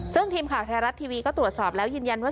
ซึ่งทีมข่าวไทยรัฐทีวีก็ตรวจสอบแล้วยืนยันว่า